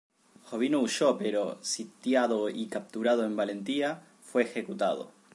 Jovino huyó pero, sitiado y capturado en Valentia, fue ejecutado.